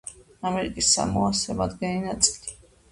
ამერიკის სამოას შემადგენელი ნაწილია.